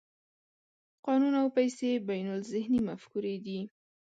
قانون او پیسې بینالذهني مفکورې دي.